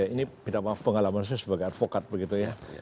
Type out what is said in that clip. ini pengalaman saya sebagai advokat begitu ya